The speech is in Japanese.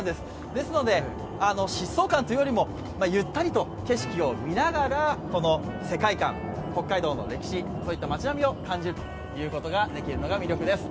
ですので疾走感というよりもゆったりと景色を見ながら世界観、北海道の歴史、街並みを感じることができるのが魅力です。